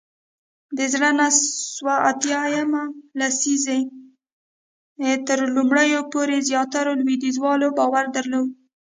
د زر نه سوه اتیا یمې لسیزې تر لومړیو پورې زیاترو لوېدیځوالو باور درلود